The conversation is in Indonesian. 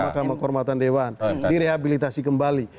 makamah kormatan dewan direhabilitasi kembali